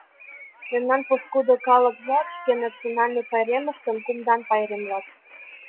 Мемнан пошкудо калык-влак шке национальный пайремыштым кумдан пайремлат.